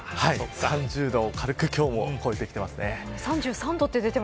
３０度を軽く今日も超えてきています。